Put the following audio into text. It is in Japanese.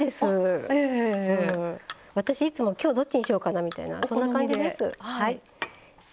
私いつも今日どっちにしようかなみたいなそんな感じです。